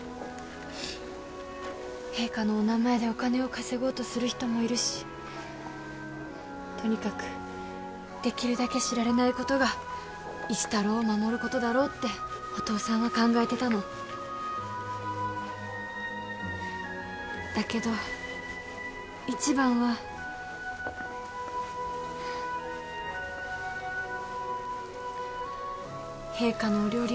陛下のお名前でお金を稼ごうとする人もいるしとにかくできるだけ知られないことが一太郎を守ることだろうってお父さんは考えてたのだけど一番は陛下のお料理番だから